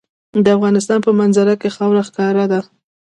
د افغانستان په منظره کې خاوره ښکاره ده.